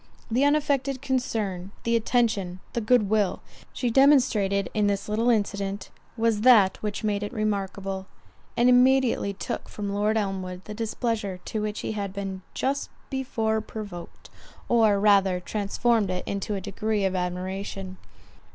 The unaffected concern, the attention, the good will, she demonstrated in this little incident, was that which made it remarkable, and immediately took from Lord Elmwood the displeasure to which he had been just before provoked, or rather transformed it into a degree of admiration.